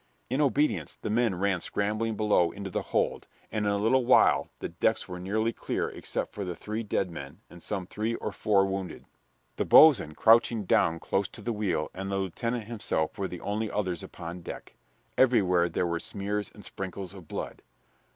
In obedience the men ran scrambling below into the hold, and in a little while the decks were nearly clear except for the three dead men and some three or four wounded. The boatswain, crouching down close to the wheel, and the lieutenant himself were the only others upon deck. Everywhere there were smears and sprinkles of blood.